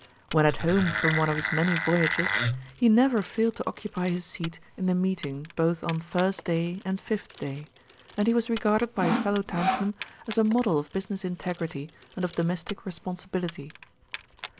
When at home from one of his many voyages he never failed to occupy his seat in the meeting both on First Day and Fifth Day, and he was regarded by his fellow townsmen as a model of business integrity and of domestic responsibility.